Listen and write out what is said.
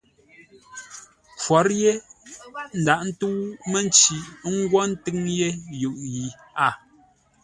Khwor yé ndaghʼ ntə́u mənci ə́ ngwo ńtʉ́ŋ yé yʉʼ yi a.